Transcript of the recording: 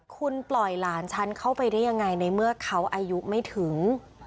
คุณปล่อยหลานฉันเข้าไปได้ยังไงในเมื่อเขาอายุไม่ถึง